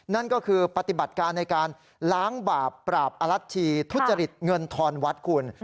นั่นก็คือปฏิบัติการในการล้างบาปปราบอลัชชีทุจริตเงินทอนวัดคุณ